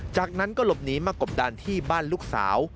จากนั้นก็หลบหนีมากบดานที่บ้านลูกสาว